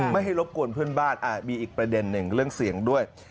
ไม่ให้รบกวนเพื่อนบ้านมีอีกประเด็นหนึ่งเรื่องเสียงด้วย